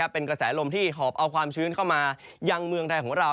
เป็นกระแสลมที่หอบเอาความชื้นเข้ามายังเมืองไทยของเรา